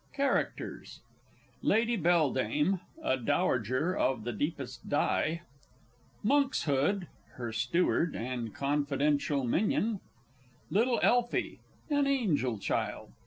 CHARACTERS. Lady Belledame (a Dowager of the deepest dye). Monkshood (her Steward, and confidential Minion). Little Elfie (an Angel Child).